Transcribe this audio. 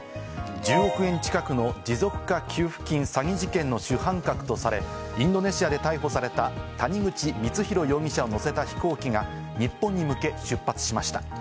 １０億円近くの持続化給付金詐欺事件の主犯格とされ、インドネシアで逮捕された谷口光弘容疑者を乗せた飛行機が日本に向け出発しました。